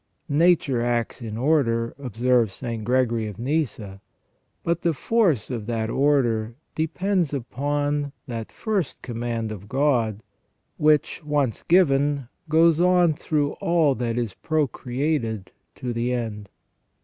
" Nature acts in order," observes St. Gregory of Nyssa, " but the force of that order depends upon that first command of God, which, once given, goes on through all that is procreated to the end."